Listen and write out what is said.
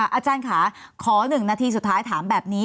อาจารย์ค่ะขอ๑นาทีสุดท้ายถามแบบนี้